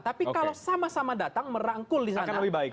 tapi kalau sama sama datang merangkul di sana